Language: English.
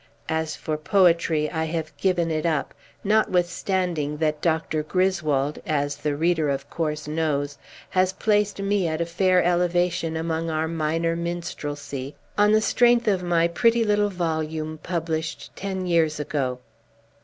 As for poetry, I have given it up, notwithstanding that Dr. Griswold as the reader, of course, knows has placed me at a fair elevation among our minor minstrelsy, on the strength of my pretty little volume, published ten years ago.